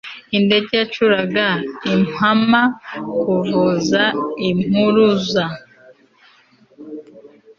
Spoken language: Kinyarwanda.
indege yacuraga impama kuvuza impuruza